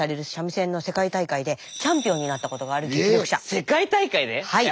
世界大会で⁉はい。